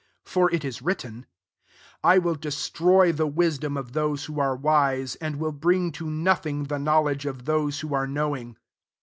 19 For it is written, I will destroy the wisdom of lose who are wise, and will ring to nothing the knowledge f those who are knowing."